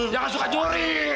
jangan suka juri